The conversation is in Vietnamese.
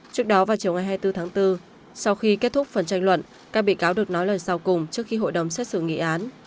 trước đó vào chiều ngày hai mươi bốn tháng bốn sau khi kết thúc phần tranh luận các bị cáo được nói lời sau cùng trước khi hội đồng xét xử nghị án